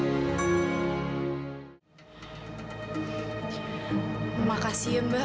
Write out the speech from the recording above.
terima kasih mbak